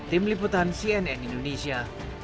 tim liputan cnn indonesia